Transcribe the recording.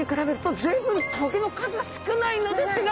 随分棘の数が少ないのですが。